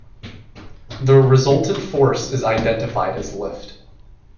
The resultant force is identified as lift.